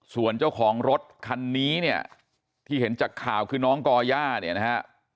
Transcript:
ส่วนเจ้าของรถคันนี้เนี่ยที่เห็นจากข่าวคือน้องก่อย่าเนี่ยนะฮะ